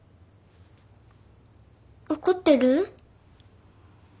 怒ってる？